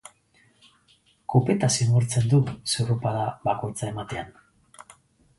Kopeta zimurtzen du zurrupada bakoitza ematean.